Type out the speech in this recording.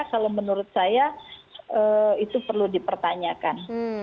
kalau menurut saya itu perlu dipertanyakan